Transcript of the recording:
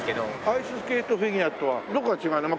アイススケートフィギュアとはどこが違うの？